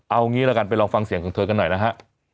เอางี้ละกันไปลองฟังเสียงของเธอกันหน่อยนะฮะ